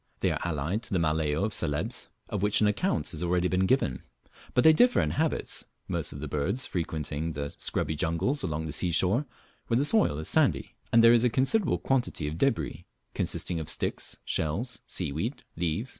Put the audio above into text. They are allied to the "Maleo" of Celebes, of which an account has already been given, but they differ in habits, most of these birds frequenting the scrubby jungles along the sea shore, where the soil is sandy, and there is a considerable quantity of debris, consisting of sticks, shells, seaweed, leaves, &c.